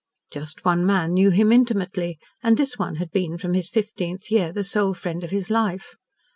Just one man knew him intimately, and this one had been from his fifteenth year the sole friend of his life.